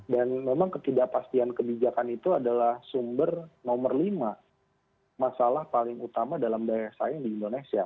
dan memang ketidakpastian kebijakan itu adalah sumber nomor lima masalah paling utama dalam daya saing di indonesia